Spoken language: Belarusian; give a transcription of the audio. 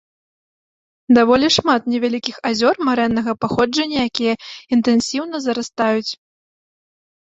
Даволі шмат невялікіх азёр марэннага паходжання, якія інтэнсіўна зарастаюць.